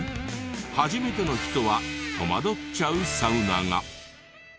初めての人は戸惑っちゃうサウナが。